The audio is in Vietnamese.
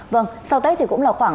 vâng sau tết thì cũng là khoảng